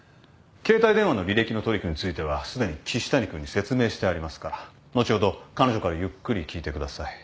携帯電話の履歴のトリックについてはすでに岸谷君に説明してありますから後ほど彼女からゆっくり聞いてください。